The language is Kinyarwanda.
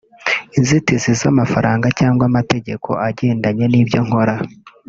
Inzitizi z’amafaranga cyangwa amategeko atagendanye n’ibyo nkora